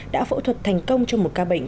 đã phẫu thuật thành công cho một ca bệnh